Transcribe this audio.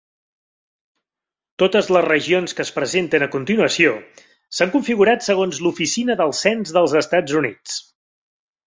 Totes les regions que es presenten a continuació s'han configurat segons l'Oficina del Cens dels Estats Units.